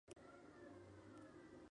El arco pasa por detrás del puente.